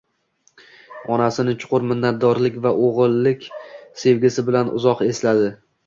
Onasini chuqur minnatdorlik va o`g`illik sevgisi bilan uzoq esladi